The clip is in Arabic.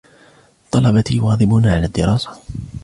طلبتي يواظبون على الدراسة.